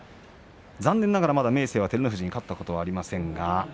残念ながら明生は照ノ富士に勝ったことがありません。